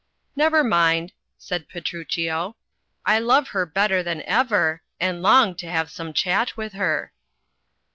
"Never mind,*' said Petruchio,'* "I love her better than ever, and long to have some chat with her."